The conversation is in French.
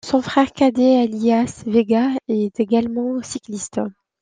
Son frère cadet Elías Vega est également cycliste.